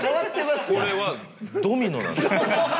これはドミノなんですよ。